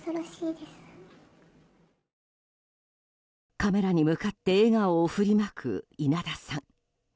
カメラに向かって笑顔を振りまく稲田さん。